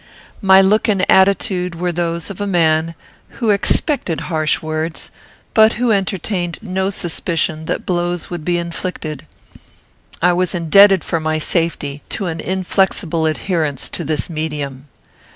My look and attitude were those of a man who expected harsh words, but who entertained no suspicion that blows would be inflicted. I was indebted for my safety to an inflexible adherence to this medium.